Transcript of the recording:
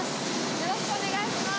よろしくお願いします。